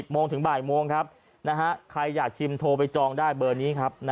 โมงถึงบ่ายโมงครับใครอยากชิมโทรไปจองได้เบอร์นี้ครับ